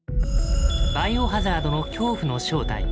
「バイオハザード」の恐怖の正体。